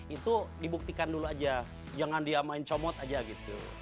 itu dibuktikan dulu aja jangan dia main comot aja gitu